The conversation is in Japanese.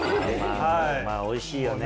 まぁおいしいよね。